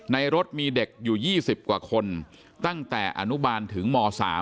ในรถมีเด็กอยู่๒๐กว่าคนตั้งแต่อนุบาลถึงม๓